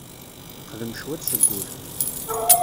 Xdem cwiṭ seg wul.